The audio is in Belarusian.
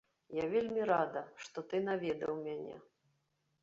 Я вельмі рада, што ты наведаў мяне.